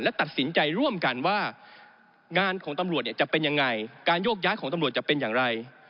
และตัดสินใจร่วมกันว่างานของตำรวจเนี่ยจะเป็นยังไงการโยกย้ายของตำรวจจะเป็นอย่างไร